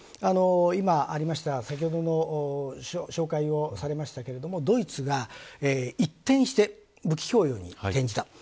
今ありました、先ほど紹介されましたけれどもドイツが一転して武器供与に転じた。